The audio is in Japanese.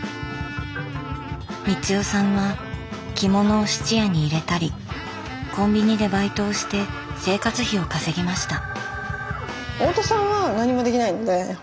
光代さんは着物を質屋に入れたりコンビニでバイトをして生活費を稼ぎました。